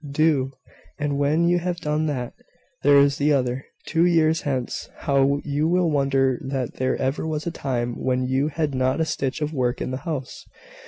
"Do; and when you have done that, there is the other. Two years hence, how you will wonder that there ever was a time when you had not a stitch of work in the house!